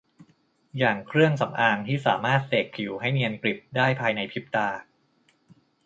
อย่างเครื่องสำอางที่สามารถเสกผิวให้เนียนกริบได้ภายในพริบตา